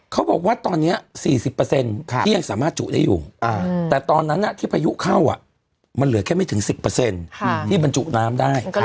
เขาบอกว่าตอนนี้๔๐ที่ยังสามารถจุได้อยู่แต่ตอนนั้นที่พายุเข้ามันเหลือแค่ไม่ถึง๑๐ที่บรรจุน้ำได้